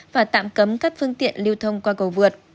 và tạm cấm các phương tiện lưu thông qua cầu vượt